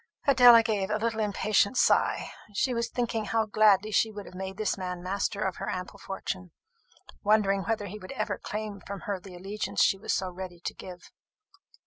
Adela gave a little impatient sigh. She was thinking how gladly she would have made this man master of her ample fortune; wondering whether he would ever claim from her the allegiance she was so ready to give.